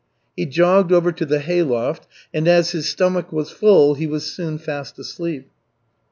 He jogged over to the hayloft, and as his stomach was full he was soon fast asleep.